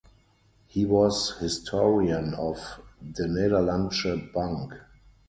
He was historian of De Nederlandsche Bank.